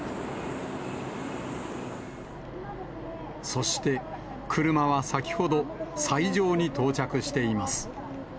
そして、車は先ほど、斎場に到着しています。